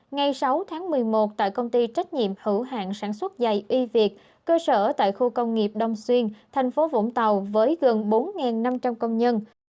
ngày sáu tháng một mươi một tại công ty trách nhiệm hữu hạng sản xuất dày uy việt cơ sở tại khu công nghiệp đông xuyên thành phố vũng tàu với gần bốn năm trăm linh công nhân